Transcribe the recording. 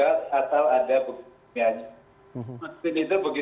vaksin itu begitu terbukti nanti di fase tiga bagus ataupun fase tiga semakin